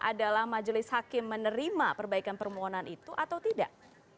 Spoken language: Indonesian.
adalah majelis hakim menerima perbaikan permohonan itu atau tidak